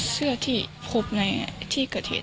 เสื้อที่พบในที่เกอร์เทศ